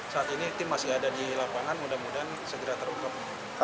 saat ini tim masih ada di lapangan mudah mudahan segera terungkap